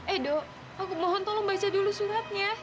eh dok aku mohon tolong baca dulu suratnya